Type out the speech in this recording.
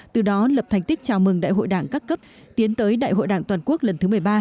từ đó lập thành tích chào mừng đại hội đảng các cấp tiến tới đại hội đảng toàn quốc lần thứ một mươi ba